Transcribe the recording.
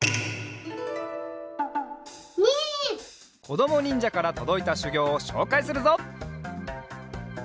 こどもにんじゃからとどいたしゅぎょうをしょうかいするぞ。